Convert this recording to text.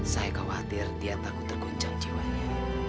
saya khawatir dia takut terguncang jiwanya